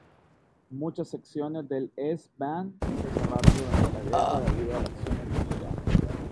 Muchas secciones del S-Bahn se cerraron durante la guerra debido a la acción enemiga.